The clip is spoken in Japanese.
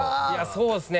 そうですね